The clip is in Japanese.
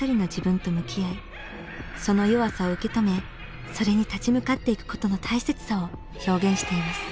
その弱さを受け止めそれに立ち向かっていくことの大切さを表現しています。